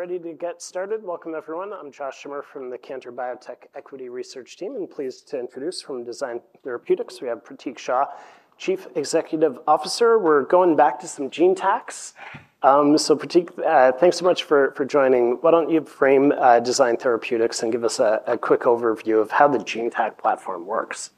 All right, we're ready to get started. Welcome everyone. I'm Josh Schimmer from the Cantor Biotech Equity Research Team and pleased to introduce from Design Therapeutics, have Prateek Shah, Chief Executive Officer. We're going back to some GeneTACs. So, Prateek, thanks so much for joining. Why don't you frame Design Therapeutics and give us a quick overview of how the GeneTAC platform works?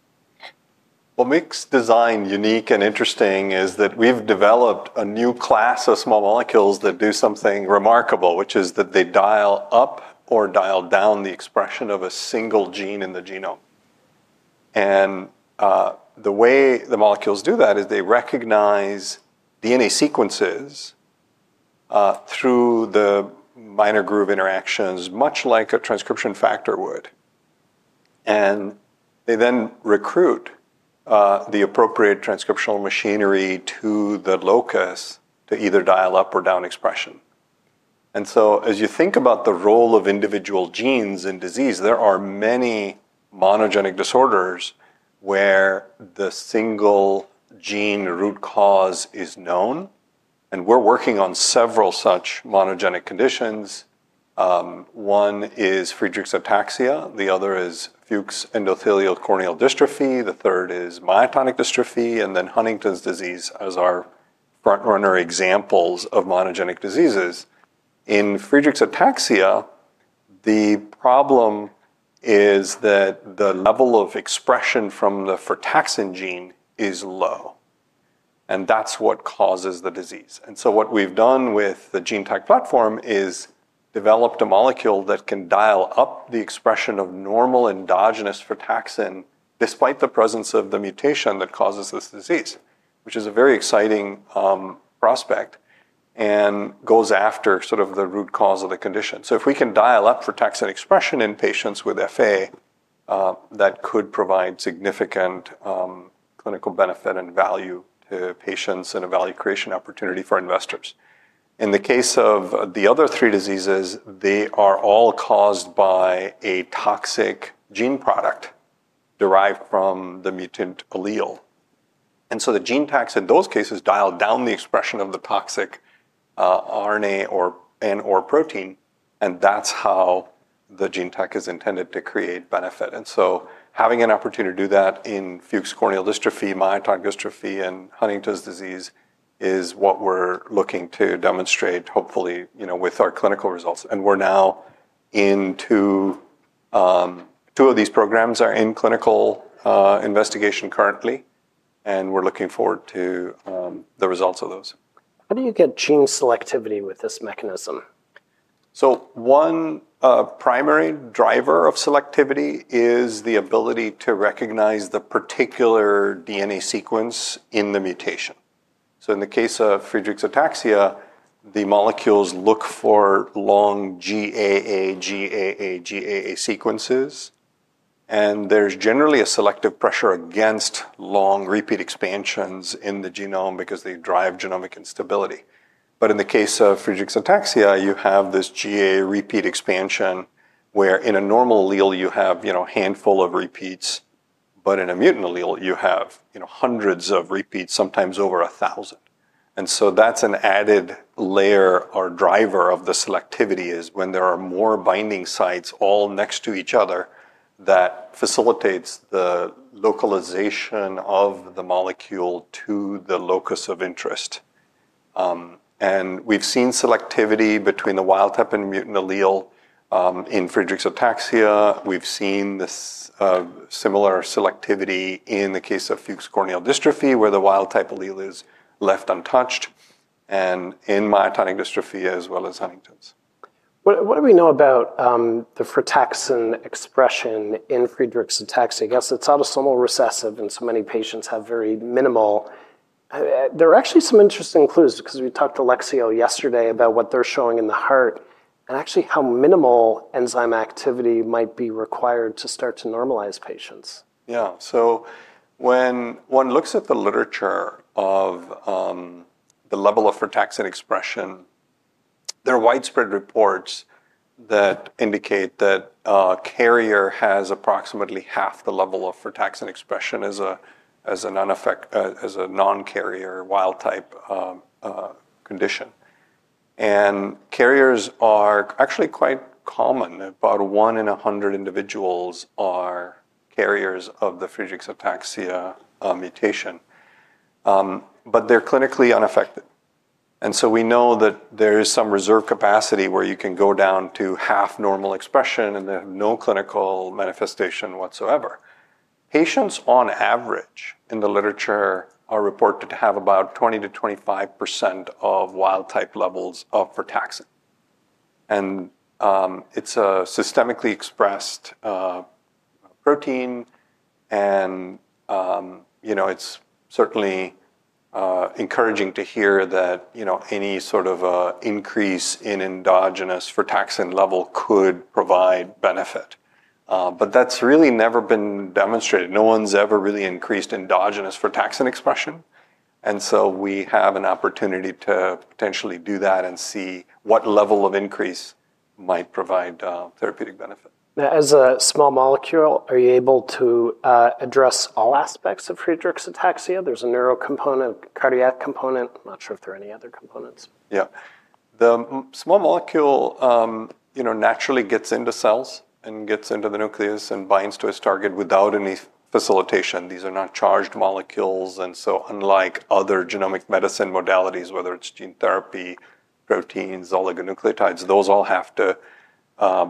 What makes design unique and interesting is that we've developed a new class of small molecules that do something remarkable, which is that they dial up or dial down the expression of a single gene in the genome. And the way the molecules do that is they recognize DNA sequences through the minor groove interactions, much like a transcription factor would. And they then recruit the appropriate transcriptional machinery to the locus to either dial up or down expression. And so, as you think about the role of individual genes in disease, there are many monogenic disorders where the single gene root cause is known, and we're working on several such monogenic conditions. One is Friedreich's ataxia, the other is Fuchs' endothelial corneal dystrophy, the third is myotonic dystrophy, and then Huntington's disease as our front runner examples of monogenic diseases. In Friedreich's ataxia, the problem is that the level of expression from the frataxin gene is low. And that's what causes the disease. And so what we've done with the GeneTac platform is developed a molecule that can dial up the expression of normal endogenous frataxin despite the presence of the mutation that causes this disease, which is a very exciting prospect and goes after sort of the root cause of the condition. So if we can dial up for taxid expression in patients with FA, that could provide significant clinical benefit and value to patients and a value creation opportunity for investors. In the case of the other three diseases, they are all caused by a toxic gene product derived from the mutant allele. And so the gene tags in those cases dial down the expression of the toxic RNA and or protein, and that's how the gene tag is intended to create benefit. And so having an opportunity to do that in Fuchs corneal dystrophy, myotonic dystrophy, and Huntington's disease is what we're looking to demonstrate, hopefully, with our clinical results. And we're now into two of these programs are in clinical investigation currently, and we're looking forward to the results of those. How do you get gene selectivity with this mechanism? So, primary driver of selectivity is the ability to recognize the particular DNA sequence in the mutation. So in the case of Friedreich's ataxia, the molecules look for long GAA, GAA, GAA sequences, and there's generally a selective pressure against long repeat expansions in the genome because they drive genomic instability. But in the case of Friedreich's ataxia, you have this GA repeat expansion, where in a normal allele you have a handful of repeats, but in a mutant allele you have, you know, hundreds of repeats, sometimes over a thousand. And so that's an added layer or driver of the selectivity is when there are more binding sites all next to each other that facilitates the localization of the molecule to the locus of interest. And we've seen selectivity between the wild type and mutant allele in Friedreich's ataxia. We've seen this similar selectivity in the case of Fuchs corneal dystrophy, where the wild type allele is left untouched, and in myotonic dystrophy as well as Huntington's. What do we know about the frataxin expression in Friedreich's ataxia? I guess it's autosomal recessive and so many patients have very minimal there are actually some interesting clues because we talked to Alexio yesterday about what they're showing in the heart and actually how minimal enzyme activity might be required to start to normalize patients. Yeah. So when one looks at the literature of the level of frataxin expression, there are widespread reports that indicate that a carrier has approximately half the level of frataxin expression as a non carrier wild type condition. And carriers are actually quite common. About one in one hundred individuals are carriers of the Friedreich's ataxia mutation. But they're clinically unaffected. And so we know that there is some reserve capacity where you can go down to half normal expression and they have no clinical manifestation whatsoever. Patients, on average, in the literature, are reported to have about 20% to 25% of wild type levels of Rituxan. And, it's a systemically expressed protein and, you know, it's certainly encouraging to hear that, you know, any sort of increase in endogenous frataxin level could provide benefit. But that's really never been demonstrated. No one's ever really increased endogenous frataxin expression. And so we have an opportunity to potentially do that and see what level of increase might provide therapeutic benefit. Now, as a small molecule, are you able to address all aspects of Friedreich's ataxia? There's a neuro component, cardiac component. I'm not sure if there are any other components. Yeah. The small molecule, you know, naturally gets into cells and gets into the nucleus and binds to its target without any facilitation. These are not charged molecules. And so, other genomic medicine modalities, whether it's gene therapy, proteins, oligonucleotides, those all have to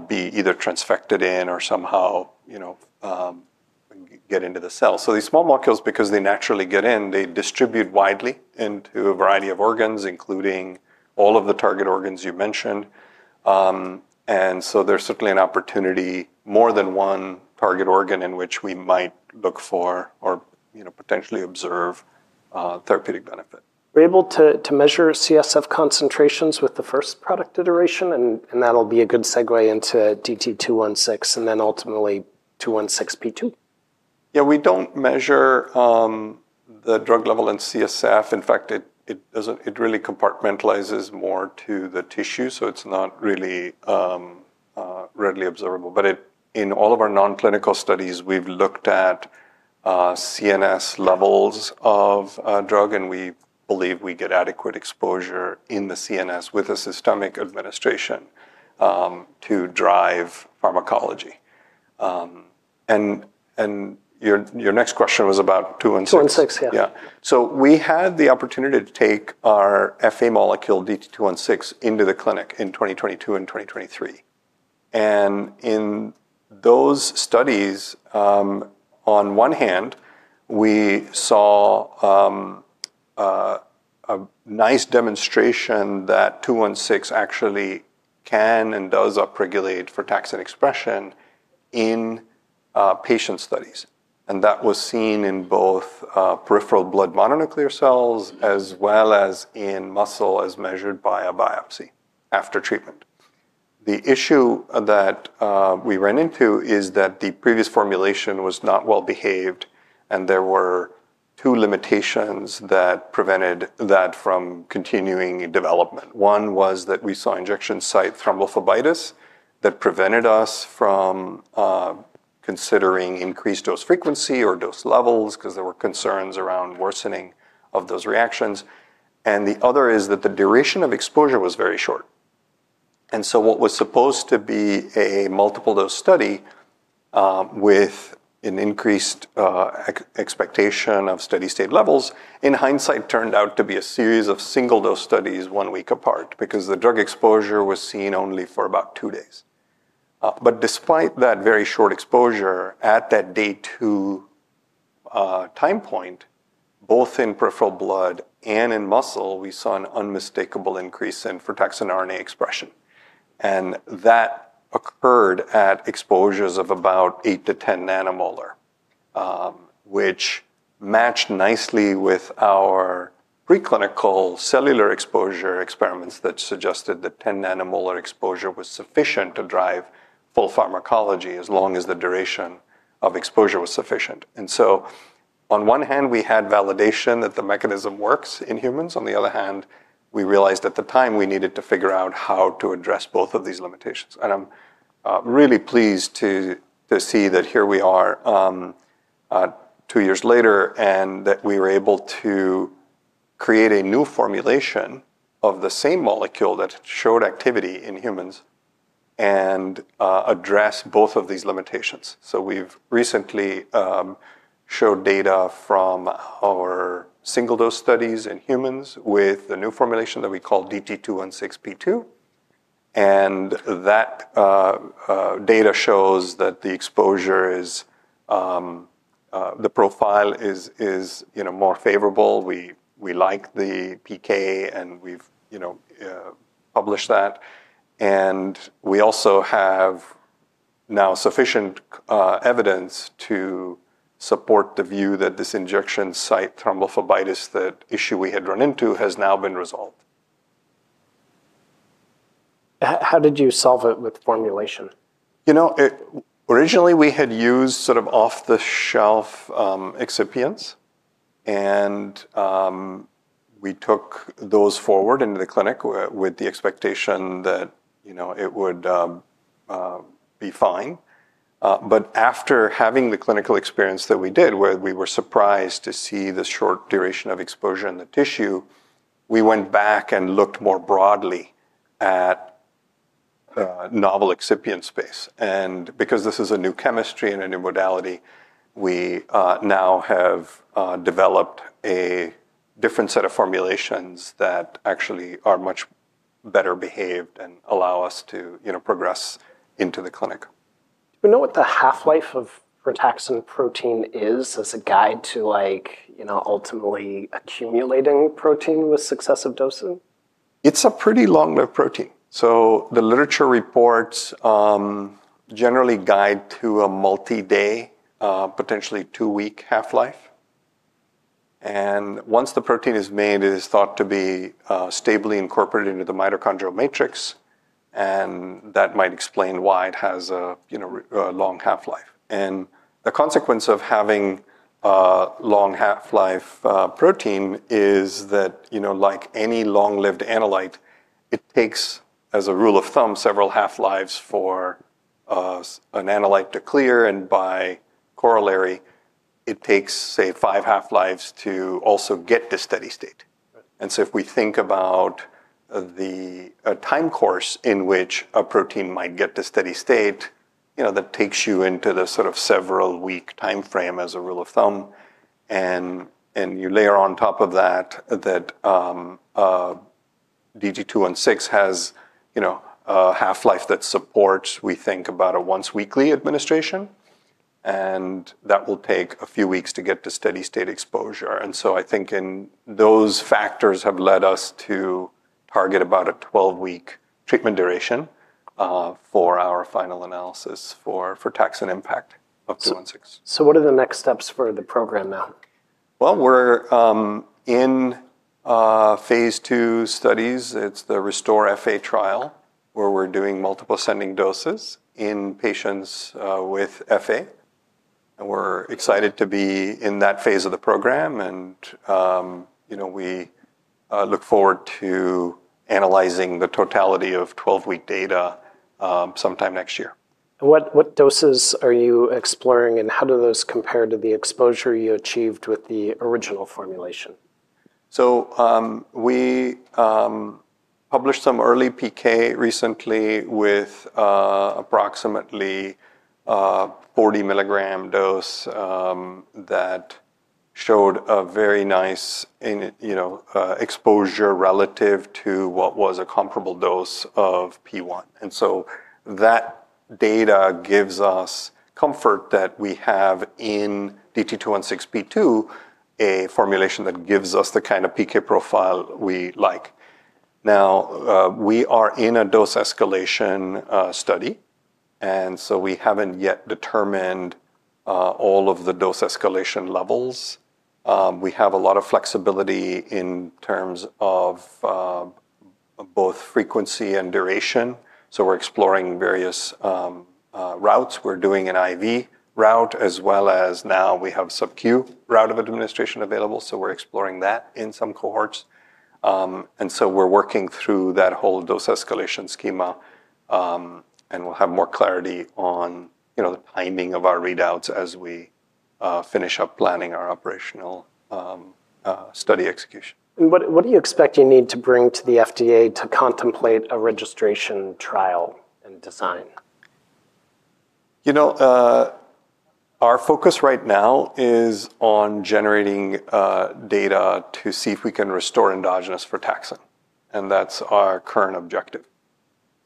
be either transfected in or somehow get into the cells. So these small molecules, because they naturally get in, they distribute widely into a variety of organs, including all of the target organs you mentioned. And so there's certainly an opportunity, more than one target organ in which we might look for or you know, potentially observe therapeutic benefit. Are you able to measure CSF concentrations with the first product iteration, that will be a good segue into DT216 and then ultimately 216P2? Doctor. Yeah, we don't measure the drug level in CSF. In fact, it doesn't it really compartmentalizes more to the tissue, so it's not really readily observable. But in all of our non clinical studies, we've looked at CNS levels of drug and we believe we get adequate exposure in the CNS with a systemic administration to drive pharmacology. And your next question was about two sixteen. Two sixteen, yes. Yes. So we had the opportunity to take our FA molecule, DT216, into the clinic in 2022 and 2023. And in those studies, on one hand, we saw a nice demonstration that two sixteen actually can and does upregulate for taxid expression in patient studies. And that was seen in both peripheral blood mononuclear cells as well as in muscle as measured by a biopsy after treatment. The issue that we ran into is that the previous formulation was not well behaved and there were two limitations that prevented that from continuing development. One was that we saw injection site thrombophlebitis that prevented us from considering increased dose frequency or dose levels because there were concerns around worsening of those reactions. And the other is that the duration of exposure was very short. And so what was supposed to be a multiple dose study with an increased expectation of steady state levels, in hindsight turned out to be a series of single dose studies one week apart, because the drug exposure was seen only for about two days. But despite that very short exposure, at that day two time point, both in peripheral blood and in muscle, we unmistakable increase in frataxin RNA expression. And that occurred at exposures of about eight to 10 nanomolar, which matched nicely with our preclinical cellular exposure experiments that suggested that 10 nanomolar exposure was sufficient to drive full pharmacology as long as the duration of exposure was sufficient. And so, on one hand, we had validation that the mechanism works in humans. On the other hand, we realized at the time we needed to figure out how to address both of these limitations. And I'm really pleased to see that here we are two years later and that we were able to create a new formulation of the same molecule that showed activity in humans and address both of these limitations. So we've recently showed data from our single dose studies in humans with the new formulation that we call DT216P2. And that data shows that the exposure is the profile is more favorable. We like the PK and we've published that. And we also have now sufficient evidence to support the view that this injection site thrombophobitis, that issue we had run into, has now been resolved. How did you solve it with formulation? You know, originally, we had used sort of off the shelf excipients. And we took those forward into the clinic with the expectation that, you know, it would be fine. But after having the clinical experience that we did, where we were surprised to see the short duration of exposure in the tissue, we went back and looked more broadly at novel excipient space. And because this is a new chemistry and a new modality, we, now have, developed a different set of formulations that actually are much better behaved and allow us to, you know, progress into the clinic. Do you know what the half life of protoxin protein is as a guide to, like, ultimately accumulating protein with successive dosing? It's a pretty long lived protein. So the literature reports generally guide to a multi day, potentially two week half life. And once the protein is made, it is thought to be stably incorporated into the mitochondrial matrix. And that might explain why it has a long half life. And the consequence of having a long half life protein is that, you know, like any long lived analyte, it takes, as a rule of thumb, several half lives for an analyte to clear, and by corollary, it takes, say, five half lives to also get to steady state. And so if we think about the time course in which a protein might get to steady state, you know, that takes you into the sort of several week timeframe as a rule of thumb, and you layer on top of that, that VG216 has, you know, a half life that supports, we think, about a once weekly administration. And that will take a few weeks to get to steady state exposure. And so I think in those factors have led us to target about a twelve week treatment duration for our final analysis tax and impact of two sixteen. So what are the next steps for the program now? Well, we're in Phase II studies. It's the RESTORE FA trial, where we're doing multiple ascending doses in patients with FA. And we're excited to be in that phase of the program. And, you know, we look forward to analyzing the totality of twelve week data sometime next year. What doses are you exploring and how do those compare to the exposure you achieved with the original formulation? So we published some early PK recently with approximately 40 dose that showed a very nice, you know, exposure relative to what was a comparable dose of P1. And so that data gives us comfort that we have in DT216P2, a formulation that gives us the kind of PK profile we like. Now, we are in a dose escalation study, and so we haven't yet determined all of the dose escalation levels. We have a lot of flexibility in terms of both frequency and duration. So we're exploring various routes. We're doing an IV route as well as now we have subcu route of administration available. So we're exploring that in some cohorts. And so we're working through that whole dose escalation schema and we'll have more clarity on the timing of our readouts as we finish up planning our operational study execution. And what do you expect you need to bring to the FDA to contemplate a registration trial and design? You know, our focus right now is on generating data to see if we can restore endogenous for taxing. And that's our current objective.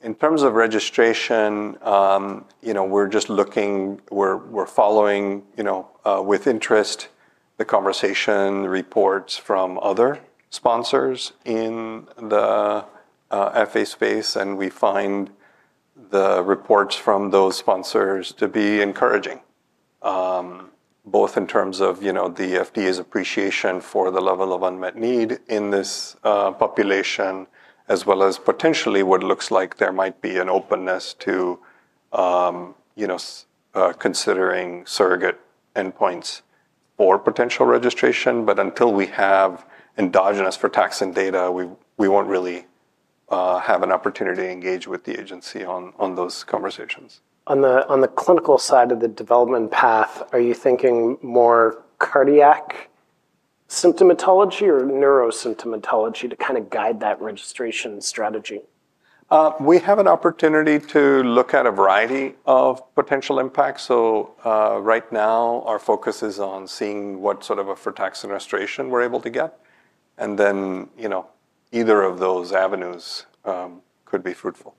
In terms of registration, we're just looking, we're following, with interest, the conversation, the reports from other sponsors in the FA space, and we find the reports from those sponsors to be encouraging, both in terms of, you know, the FDA's appreciation for the level of unmet need in this population, as well as potentially what looks like there might be an openness to, you know, considering surrogate endpoints or potential registration. But until we have endogenous for taxing data, we won't really have an opportunity to engage with the agency on those conversations. On the clinical side of the development path, are you thinking more cardiac symptomatology or neurosymptomatology to kind of guide that registration strategy? We have an opportunity to look at a variety of potential impacts. So, now, our focus is on seeing what sort of a frataxin restoration we're able to get. And then, you know, either of those avenues could be fruitful.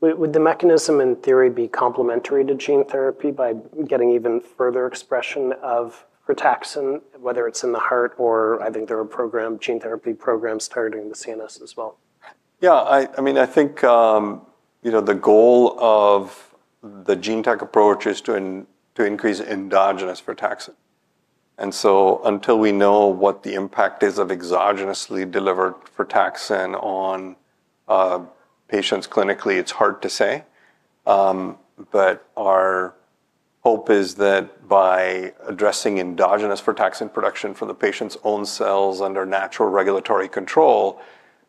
Would the mechanism, in theory, be complementary to gene therapy by getting even further expression of ritaxin, whether it's in the heart or I think there are program, gene therapy programs targeting the CNS as well? Yeah. I mean, I think, you know, the goal of the GeneTac approach is to increase endogenous frataxin. And so until we know what the impact is of exogenously delivered frataxin on patients clinically, it's hard to say. But our hope is that by addressing endogenous frataxin production for the patient's own cells under natural regulatory control,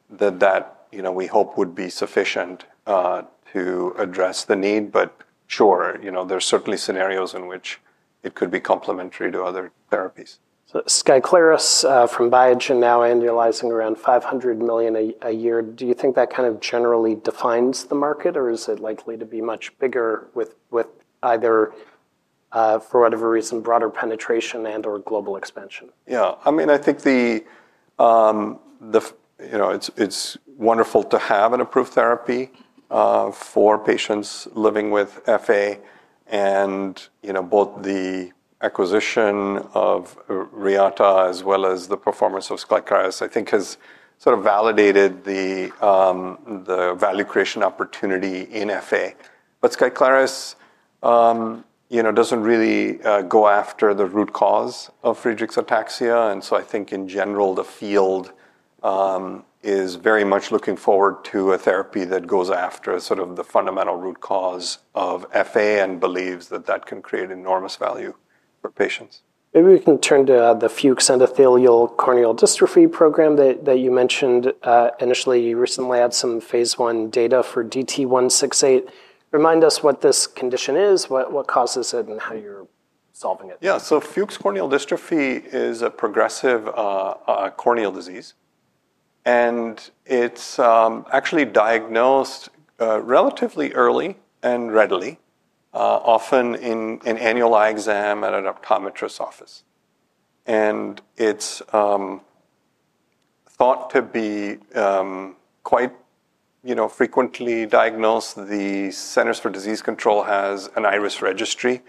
that that, you know, we hope would be sufficient to address the need. But, sure, you know, there are certainly scenarios in which it could be complementary to other therapies. So, Skyclaris from Biogen now annualizing around 500,000,000 a year, do you think that kind of generally defines the market? Or is it likely to be much bigger with either, for whatever reason, broader penetration and or global expansion? Yes. I mean, I think the it's wonderful to have an approved therapy for patients living with FA. And both the acquisition of Reata as well as the performance of Skyclaris, I think, has sort of validated the value creation opportunity in FA. But Skyclaris doesn't really go after the root cause of Friedreich's ataxia. And so, I think, in general, the field is very much looking forward to a therapy that goes after sort of the fundamental root cause of FA and believes that that can create enormous value for patients. Maybe we can turn to the Fuchs endothelial corneal dystrophy program that you mentioned. Initially, you recently had some Phase I data for DT168. Remind us what this condition is, what causes it, and how you're solving it? Yes. So, Fuchs corneal dystrophy is a progressive corneal disease. And it's actually diagnosed relatively early and readily, often in annual eye exam at an optometrist's office. And it's thought to be quite, you know, frequently diagnosed. The Centers for Disease Control has an iris registry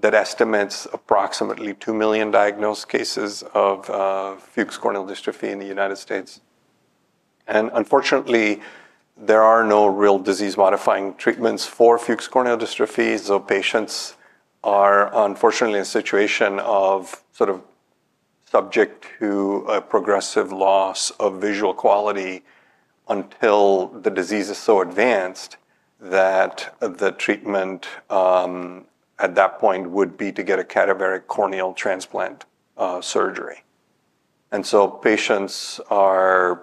that estimates approximately two million diagnosed cases of Fuchs corneal dystrophy in The United States. And unfortunately, there are no real disease modifying treatments for Fuchs' corneal dystrophy, so patients are unfortunately in a situation of sort of subject to a progressive loss of visual quality until the disease is so advanced that the treatment at that point would be to get a cadaveric corneal transplant surgery. And so patients are,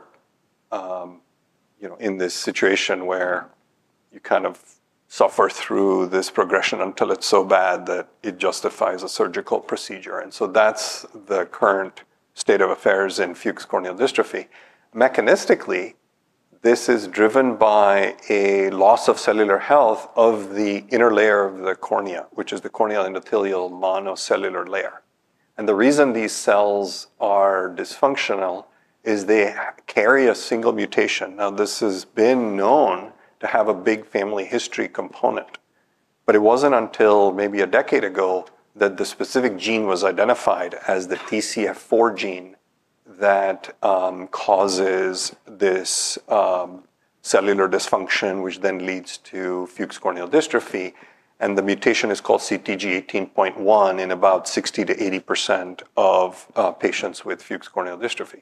you know, in this situation where you kind of suffer through this progression until it's so bad that it justifies a surgical procedure. And so that's the current state of affairs in Fuchs corneal dystrophy. Mechanistically, this is driven by a loss of cellular health of the inner layer of the cornea, which is the corneal endothelial monocellular layer. And the reason these cells are dysfunctional is they carry a single mutation. Now, this has been known to have a big family history component. But it wasn't until maybe a decade ago that the specific gene was identified as the TCF4 gene that causes this cellular dysfunction, which then leads to Fuchs corneal dystrophy, and the mutation is called CTG18.1 in about sixty percent to eighty percent of patients with Fuchs corneal dystrophy.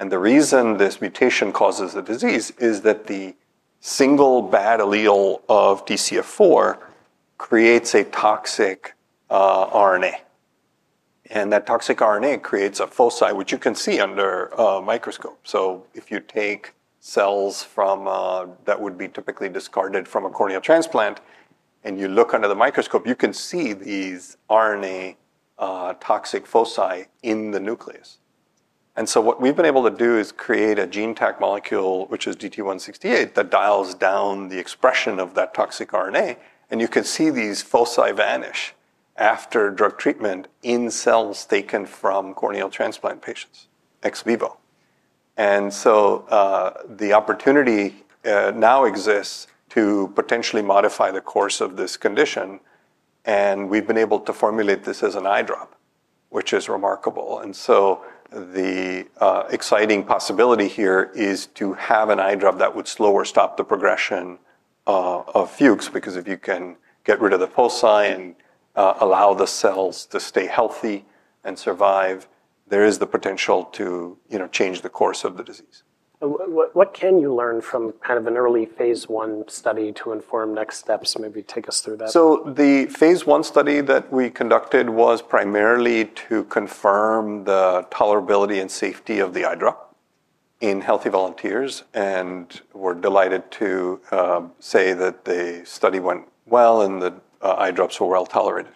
And the reason this mutation causes the disease is that the single bad allele of DCF4 creates a toxic RNA. And that toxic RNA creates a foci, which you can see under a microscope. So if you take cells from that would be typically discarded from a corneal transplant and you look under the microscope, you can see these RNA toxic foci in the nucleus. And so what we've been able to do is create a gene tag molecule, which is DT168, that dials down the expression of that toxic RNA, and you can see these foci vanish after drug treatment in cells taken from corneal transplant patients, ex vivo. And so the opportunity now exists to potentially modify the course of this condition, and we've been able to formulate this as an eye drop, which is remarkable. And so the exciting possibility here is to have an eye drop that would slow or stop the progression of fuchs, because if you can get rid of the pulsi and allow the cells to stay healthy and survive, there is the potential to, you know, change the course of the disease. What can you learn from kind of an early phase one study to inform next steps? So maybe take us through that. So the Phase I study that we conducted was primarily to confirm the tolerability and safety of the eye drop in healthy volunteers, and we're delighted to say that the study went well and that eye drops were well tolerated.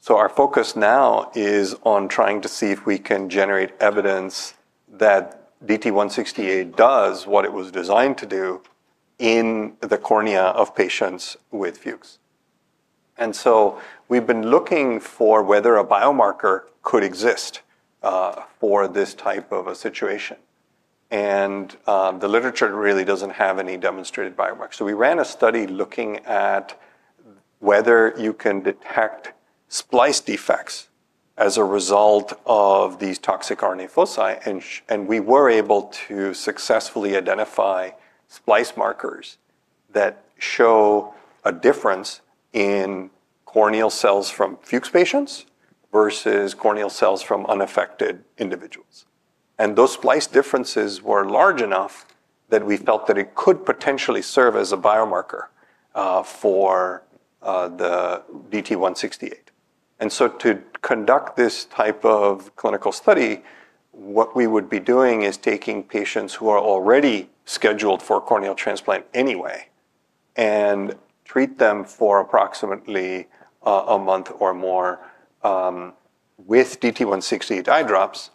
So our focus now is on trying to see if we can generate evidence that DT168 does what it was designed to do in the cornea of patients with Fuchs. And so we've been looking for whether a biomarker could exist for this type of a situation. And the literature really doesn't have any demonstrated biomarkers. So we ran a study looking at whether you can detect splice defects as a result of these toxic RNA foci, we were able to successfully identify splice markers that show a difference in corneal cells from Fuchs patients versus corneal cells from unaffected individuals. And those splice differences were large enough that we felt that it could potentially serve as a biomarker for DT168. And so to conduct this type of clinical study, what we would be doing is taking patients who are already scheduled for corneal transplant anyway and treat them for approximately a month or more with DT168 eye drops,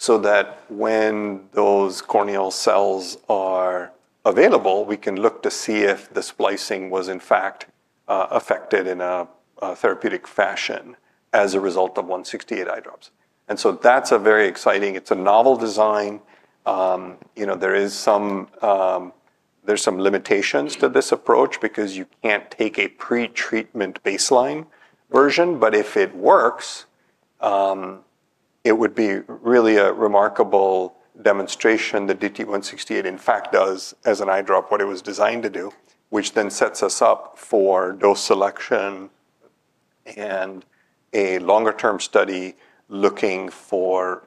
so that when those corneal cells are available, we can look to see if the splicing was in fact affected in a therapeutic fashion as a result of 168 eye drops. And so that's a very exciting, it's a novel design. You know, there is some limitations to this approach because you can't take a pretreatment baseline version. But if it works, it would be really a remarkable demonstration that DT168 in fact does as an eye drop what it was designed to do, which then sets us up for dose selection and a longer term study looking for,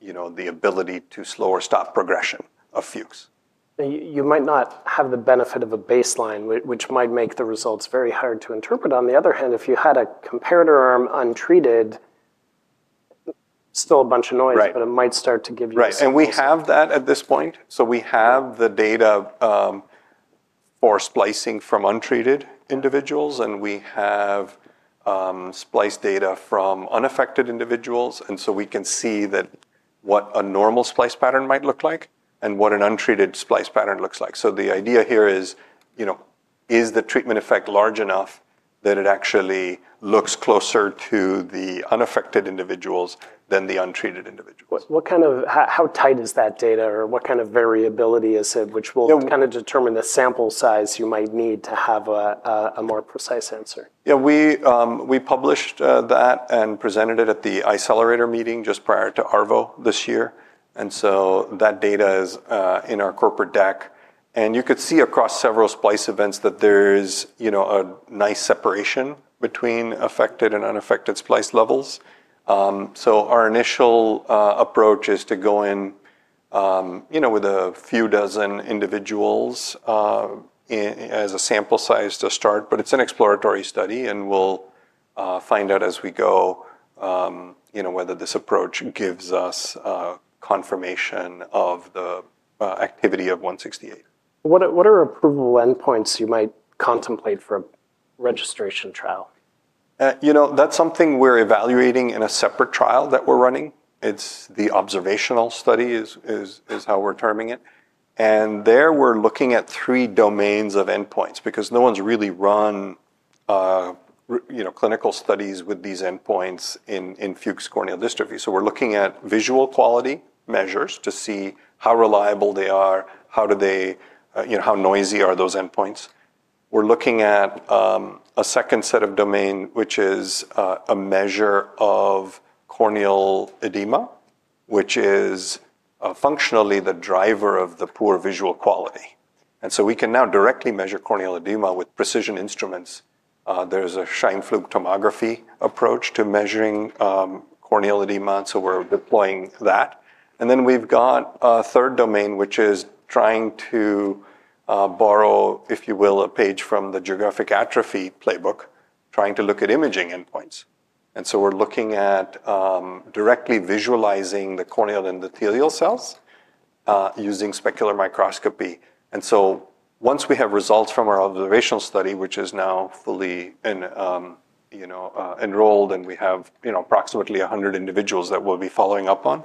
you know, the ability to slow or stop progression of fukes. You might not have the benefit of a baseline, which might make the results very hard to interpret. On the other hand, if you had a comparator arm untreated, still a bunch of noise, but it might start to give you some Right. We have that at this point. So we have the data for splicing from untreated individuals and we have spliced data from unaffected individuals. And so we can see that what a normal splice pattern might look like and what an untreated splice pattern looks like. So the idea here is, you know, is the treatment effect large enough that it actually looks closer to the unaffected individuals than the untreated individuals. What kind of how tight is that data or what kind of variability is it, which will kind of determine the sample size you might need to have a more precise answer? Yes. We published that and presented it at the iCELLERATOR meeting just prior to ARVO this year. And so that data is in our corporate deck. And you could see across several splice events that there is, you know, a nice separation between affected and unaffected splice levels. So our initial approach is to go in, you know, with a few dozen individuals as a sample size to start. But it's an exploratory study, and we'll find out as we go, you know, whether this approach gives us confirmation of the activity of 168. What approval endpoints you might contemplate for a registration trial? You know, that's something we're evaluating in a separate trial that we're running. It's the observational study is how we're terming it. And there, we're looking at three domains of endpoints because no one's really you know, clinical studies with these endpoints in Fuchs corneal dystrophy. So we're looking at visual quality measures to see how reliable they are, how do they you know, how noisy are those endpoints. We're looking at a second set of domain, which is a measure of corneal edema, which is functionally the driver of the poor visual quality. And so we can now directly measure corneal edema with precision instruments. There is a Scheinflug tomography approach to measuring corneal edema, so we're deploying that. And then we've got a third domain, which is trying to borrow, if you will, a page from the geographic atrophy playbook, trying to look at imaging endpoints. And so we're looking at directly visualizing the corneal endothelial cells using specular microscopy. And so once we have results from our observational study, which is now fully enrolled and we have approximately 100 individuals that we'll be following up on,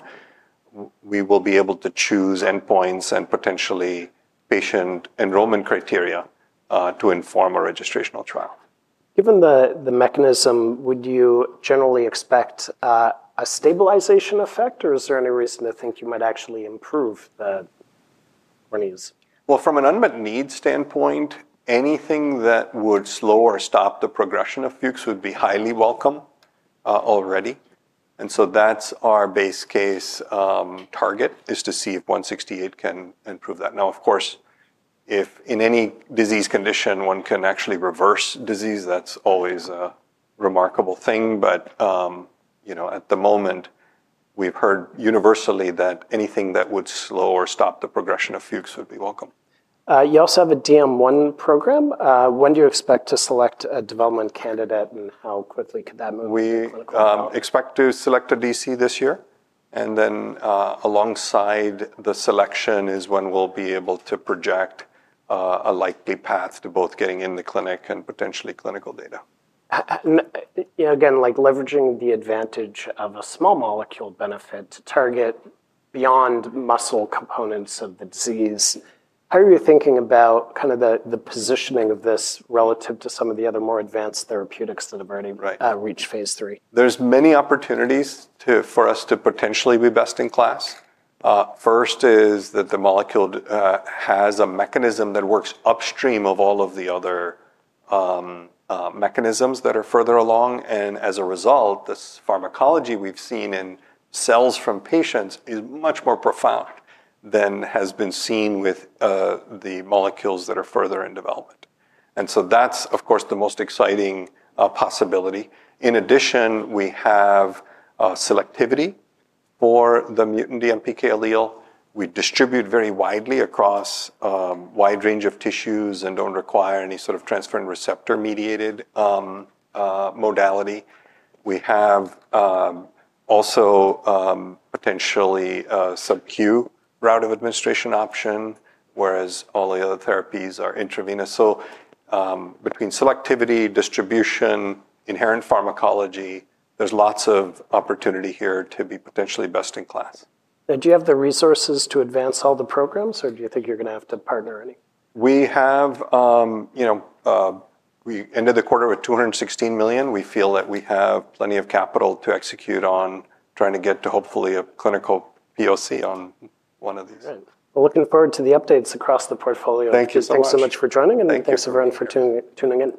we will be able to choose endpoints and potentially patient enrollment criteria to inform a registrational trial. Given the mechanism, would you generally expect a stabilization effect? Or is there any reason to think you might actually improve or needs? Well, from an unmet need standpoint, anything that would slow or stop the progression of Fuchs would be highly welcome already. And so that's our base case target, is to see if 168 can improve that. Now, of course, if in any disease condition one can actually reverse disease, that's always a remarkable thing. But, you know, at the moment, we've heard universally that anything that would slow or stop the progression of Fuchs would be welcome. You also have a DM1 program. When do you expect to select a development candidate and how quickly could that move into We clinical expect to select a DC this year. And then alongside the selection is when we'll be able to project a likely path to both getting in the clinic and potentially clinical data. Again, like leveraging the advantage of a small molecule benefit to target beyond muscle components of the disease, how are you thinking about kind of the positioning of this relative to some of the other more advanced therapeutics that have already reached Phase III? There's many opportunities for us to potentially be best in class. First is that the molecule has a mechanism that works upstream of all of the other mechanisms that are further along. And as a result, this pharmacology we've seen in cells from patients is much more profound than has been seen with the molecules that are further in development. And so that's, of course, the most exciting possibility. In addition, we have selectivity for the mutant DMPK allele. We distribute very widely across a wide range of tissues and don't require any sort of transferrin receptor mediated modality. We have also potentially a subcu route of administration option, whereas all the other therapies are intravenous. So, between selectivity, distribution, inherent pharmacology, there's lots of opportunity here to be potentially best in class. And do you have the resources to advance all the programs or do you think you're going to have to partner any? We have, you know, we ended the quarter with $216,000,000 We feel that we have plenty of capital to execute on trying to get to hopefully a clinical POC on one of these. Great. Well, looking forward to the updates across the portfolio. Thank you Thanks so so much for joining and thanks everyone for tuning in.